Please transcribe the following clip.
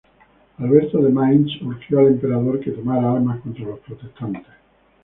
Alberto de Mainz urgió al Emperador que tomara armas contra los protestantes.